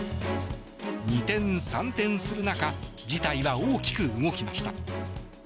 二転三転する中事態は大きく動きました。